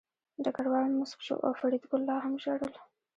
ډګروال موسک شو او فریدګل لا هم ژړل